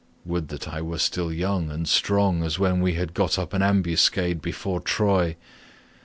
Would that I were still young and strong as when we got up an ambuscade before Troy.